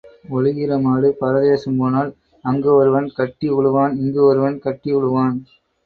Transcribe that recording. உழுகிற மாடு பரதேசம் போனால் அங்கு ஒருவன் கட்டி உழுவான் இங்கு ஒருவன் கட்டி உழுவான்.